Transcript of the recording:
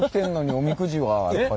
おみくじはやっぱり。